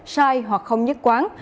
sai hoặc không nhất quán